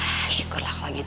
ah syukurlah kalau gitu